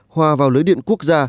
hòa vào lưới điện quốc gia